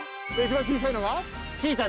一番小さいのが？